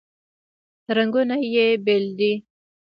رنګونه یې بیل دي.